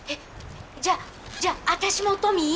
じゃあじゃあ私もトミー？」。